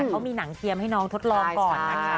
เขามีหนังเทียมให้น้องทดลองก่อนนะคะ